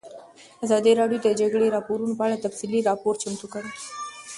ازادي راډیو د د جګړې راپورونه په اړه تفصیلي راپور چمتو کړی.